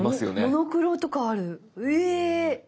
モノクロとかあるうぇ！